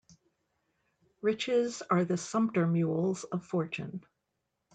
Riches are the sumpter mules of fortune